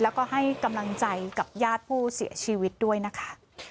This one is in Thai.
แล้วก็ให้กำลังใจกับญาติผู้เสียชีวิตด้วยนะคะ